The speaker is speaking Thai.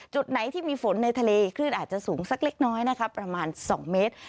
จุดไหนที่มีฝนในทะเลคลื่นอาจจะสูงสักเล็กน้อยนะคะประมาณ๒เมตร